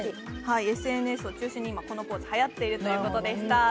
ＳＮＳを中心に今、このポーズがはやっているということでした。